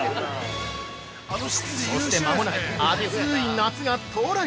◆そして、間もなく暑い夏が到来。